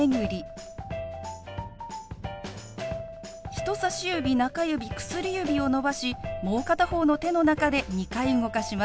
人さし指中指薬指を伸ばしもう片方の手の中で２回動かします。